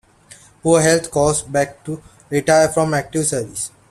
Poor health caused Back to retire from active service.